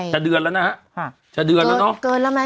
จะเดือนแล้วนะ